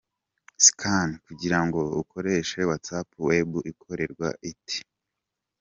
Scan’ kugira ngo ukoreshe WhatsApp web ikorwa ite?.